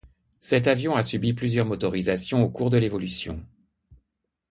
Cet avion a subi plusieurs motorisations au cours de l'évolution.